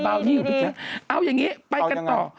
อยากกินเดี๋ยวดีเอาอย่างนี้ไปกันต่อ